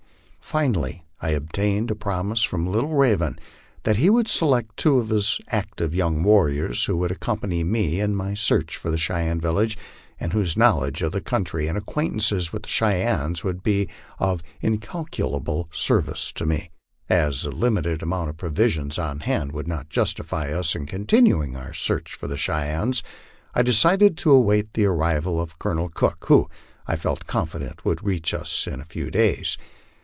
Finally I obtained a promise from Lit tle Raven that he would select two of his active young warriors, who would accompany me in my search for the Cheyenne village, and whose knowledge of the country and acquaintance with the Cheyennes would be of incalculable service to me. As the limited amount of provisions on hand would not justify us in continuing our search for the Cheyennes, I decided to await the arrival of Colonel Cook, who, I felt confident, would reach us in a few daj s.